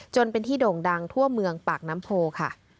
จนเป็นที่โด่งดังทั่วเมืองปากน้ำโพค่ะ